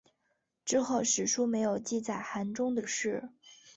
之后史书没有记载韩忠的事。